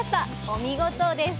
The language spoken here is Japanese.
お見事です！